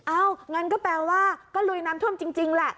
งั้นก็แปลว่าก็ลุยน้ำท่วมจริงแหละ